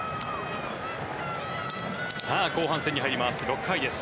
後半戦に入ります。